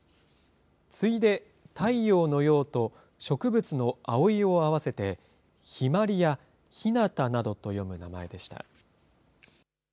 次いで、太陽の陽と、植物の葵を合わせて、ひまりやひなたなどと読む名前でした。